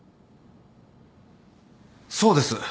そうです。